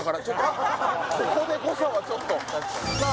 ここで誤差はちょっとさあ